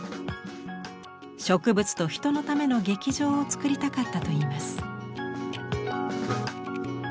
「植物と人のための劇場」を作りたかったといいます。